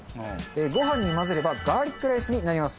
ご飯に混ぜればガーリックライスになります。